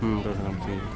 hmm kurang bersih